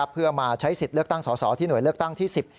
เพื่อมาใช้สิทธิ์เลือกตั้งสอสอที่หน่วยเลือกตั้งที่๑๐